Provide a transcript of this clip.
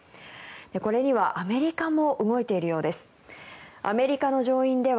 これにはアメリカも動いているようです。